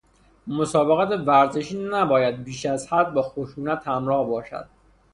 مسابقات ورزشی نباید بیش از حد با خشونت همراه باشد.